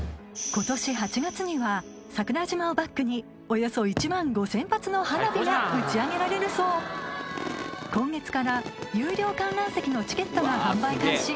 今年８月には桜島をバックにおよそ１万５０００発の花火が打ち上げられるそう今月から有料観覧席のチケットが販売開始